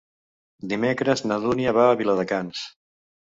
Dimecres na Dúnia va a Viladecans.